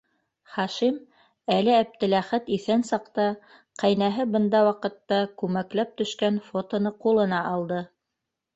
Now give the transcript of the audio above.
Хашим әле Әптеләхәт иҫән саҡта, ҡәйнәһе бында ваҡытта күмәкләп төшкән фотоны ҡулына алды.